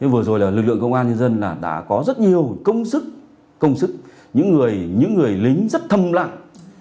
vừa rồi lực lượng công an nhân dân đã có rất nhiều công sức những người lính rất thâm lặng